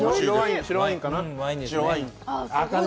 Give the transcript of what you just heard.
白ワインかな。